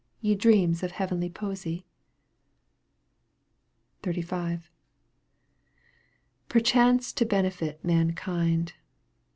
Ye dreams of heavenly poesy ? XXXV. ^ Perchance to benefit mankind.